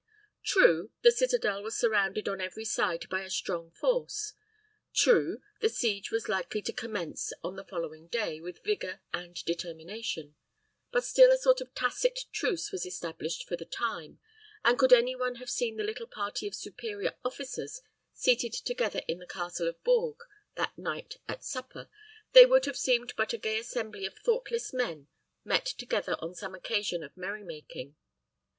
True, the citadel was surrounded on every side by a strong force; true, the siege was likely to commence on the following day with vigor and determination; but still a sort of tacit truce was established for the time; and could any one have seen the little party of superior officers seated together in the castle of Bourges that night at supper, they would have seemed but a gay assembly of thoughtless men met together on some occasion of merry making.